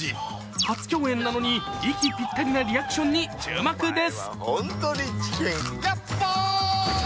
初共演なのに息ぴったりなリアクションに注目です。